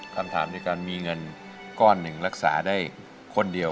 คำถามในการมีเงินก้อนหนึ่งรักษาได้คนเดียว